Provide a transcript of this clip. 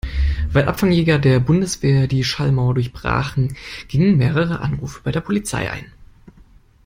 Weil Abfangjäger der Bundeswehr die Schallmauer durchbrachen, gingen mehrere Anrufe bei der Polizei ein.